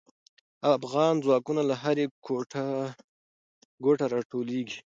افغان ځواکونه له هر ګوټه راټولېږي.